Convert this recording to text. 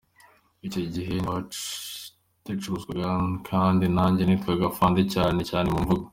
Icyo gihe ntabitacuruzwaga kandi nanjye nitwaga Afande cyane cyane mu mvugo!